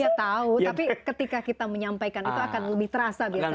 ya tahu tapi ketika kita menyampaikan itu akan